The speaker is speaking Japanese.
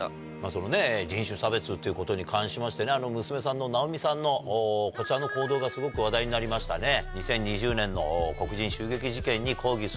そのね人種差別に関しまして娘さんのなおみさんのこちらの行動がすごく話題になりましたね。